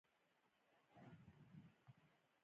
هغې د خوښ ستوري په اړه خوږه موسکا هم وکړه.